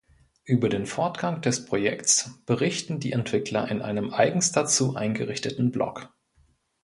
Über den Fortgang des Projekts berichten die Entwickler in einem eigens dazu eingerichteten Blog.